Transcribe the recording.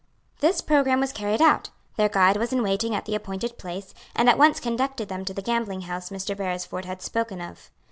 This programme was carried out, their guide was in waiting at the appointed place, and at once conducted them to the gambling house Mr. Beresford had spoken of.